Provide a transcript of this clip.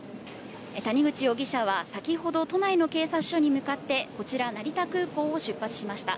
谷口容疑者は先ほど、都内の警察署に向かって、こちら、成田空港を出発しました。